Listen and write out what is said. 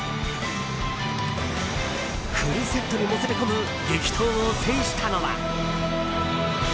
フルセットにもつれ込む激闘を制したのは。